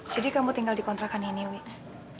jadi kamu tinggal di kontrakan ini wih